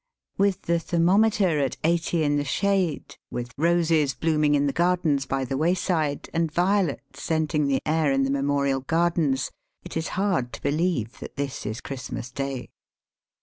With the thermometer at eighty in the shade^ with roses blooming in the gardens by the wayside, and violets scenting the air in the Memorial Gardens, it is hard to believe that this is Christmas Day.